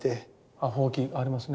あっほうきありますね。